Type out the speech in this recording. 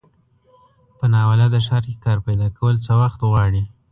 په ناولده ښار کې کار پیداکول څه وخت غواړي.